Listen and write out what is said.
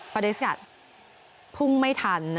ฟาเดสกาตร์พุ่งไม่ทัน